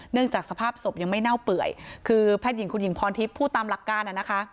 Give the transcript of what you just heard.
เนื่องจากสภาพสบยังไม่เน่าเปื่อยคือแพทย์หญิงคุณหญิงพรทิพย์พูดตามหลักการ